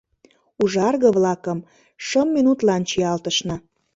— «Ужарге-влакым» шым минутлан чиялтышна.